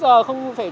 sao mà đi được